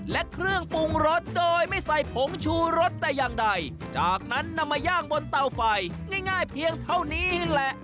และเครื่องปรุงรสโดยไม่ใส่ผงชูรสแต่อย่างใดจากนั้นนำมาย่างบนเตาไฟง่ายเพียงเท่านี้แหละ